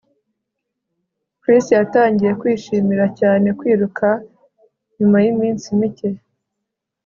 Chris yatangiye kwishimira cyane kwiruka nyuma yiminsi mike